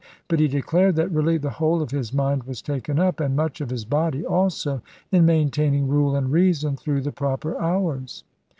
But he declared that really the whole of his mind was taken up, and much of his body also, in maintaining rule and reason through the proper hours.